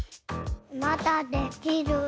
まだできる？